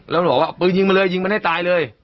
แล้วมันบอกว่าปืนยิงมันเลยยิงมันให้ตายเลย